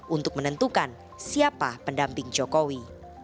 untuk menentukan siapa pendamping jokowi